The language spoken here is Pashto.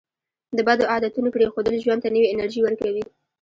د بدو عادتونو پرېښودل ژوند ته نوې انرژي ورکوي.